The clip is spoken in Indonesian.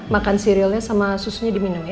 makan sirilnya sama susunya diminum ya